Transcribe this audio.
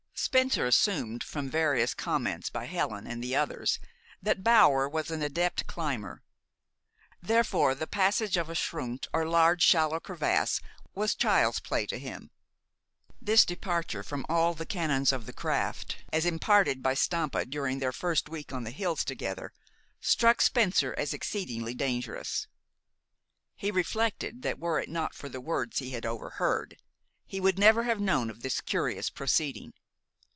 Spencer assumed, from various comments by Helen and others, that Bower was an adept climber. Therefore, the passage of a schrund, or large, shallow crevasse was child's play to him. This departure from all the canons of the craft as imparted by Stampa during their first week on the hills together, struck Spencer as exceedingly dangerous. He reflected that were it not for the words he had overheard, he would never have known of this curious proceeding.